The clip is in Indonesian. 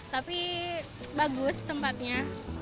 tapi bagus tempatnya